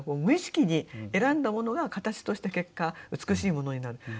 無意識に選んだものが形として結果美しいものになる。